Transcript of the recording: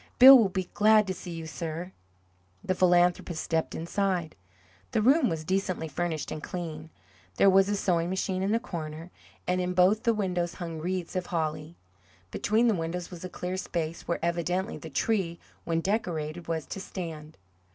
"Bill will be glad to see you, sir." The philanthropist stepped inside. The room was decently furnished and clean. There was a sewing machine in the corner, and in both the windows hung wreaths of holly. Between the windows was a cleared space, where evidently the tree, when decorated, was to stand.